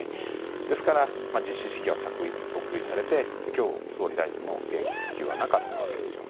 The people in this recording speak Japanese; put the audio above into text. ですから実施時期は先送りされて今日総理大臣の言及はなかったわけですね。